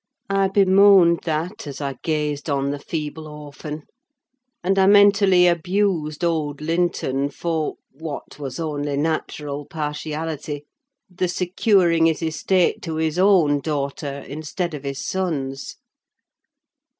I bemoaned that, as I gazed on the feeble orphan; and I mentally abused old Linton for (what was only natural partiality) the securing his estate to his own daughter, instead of his son's.